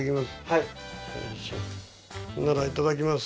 はいほんならいただきます